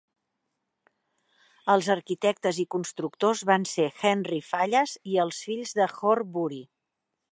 Els arquitectes i constructors van ser Henry Fallas i els fills de Horbury.